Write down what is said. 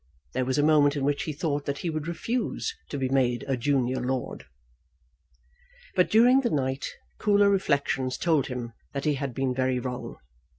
There was a moment in which he thought that he would refuse to be made a junior lord. But during the night cooler reflections told him that he had been very wrong.